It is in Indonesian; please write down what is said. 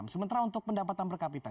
sementara untuk pendapatan per kapita